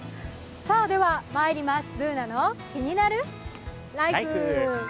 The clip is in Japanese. では「ＢｏｏｎａのキニナルＬＩＦＥ」。